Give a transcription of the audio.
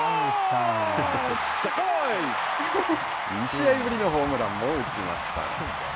２試合ぶりのホームランも打ちました。